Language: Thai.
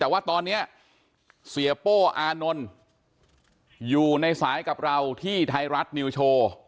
แต่ว่าตอนนี้เสียโป้อานนท์อยู่ในสายกับเราที่ไทยรัฐนิวโชว์